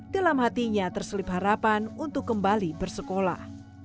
dalam hatinya terselip harapan untuk kembali bersekolah